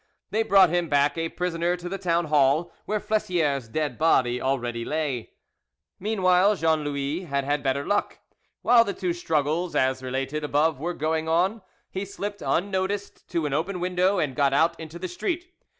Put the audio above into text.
They brought him back a prisoner to the town hall, where Flessiere's dead body already lay. Meanwhile Jean Louis had had better luck. While the two struggles as related above were going on, he slipped unnoticed to an open window and got out into the street.